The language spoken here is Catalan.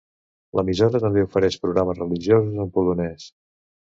L'emissora també ofereix programes religiosos en polonès.